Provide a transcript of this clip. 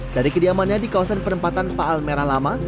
dari kediamannya di kawasan penempatan pak almerah lama